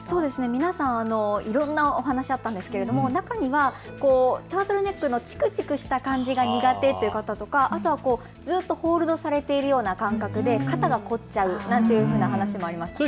皆さん、いろんなお話、あったんですが中にはタートルネックのチクチクした感じが苦手だという方や、ずっとホールドされているような感覚で肩が凝っちゃうというような話もありました。